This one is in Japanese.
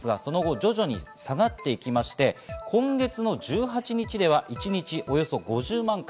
徐々に下がっていきまして、今月の１８日では１日およそ５０万回。